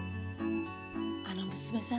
あの娘さん